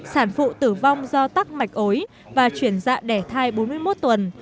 sản phụ tử vong do tắc mạch ối và chuyển dạ đẻ thai bốn mươi một tuần